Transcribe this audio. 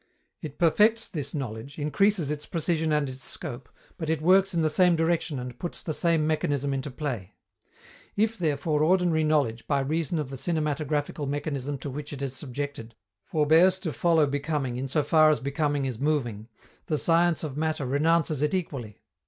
It perfects this knowledge, increases its precision and its scope, but it works in the same direction and puts the same mechanism into play. If, therefore, ordinary knowledge, by reason of the cinematographical mechanism to which it is subjected, forbears to follow becoming in so far as becoming is moving, the science of matter renounces it equally.